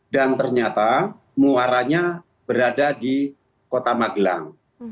dan ternyata muaranya berada di kota magelang